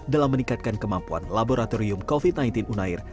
dalam meningkatkan kemampuan laboratorium covid sembilan belas unair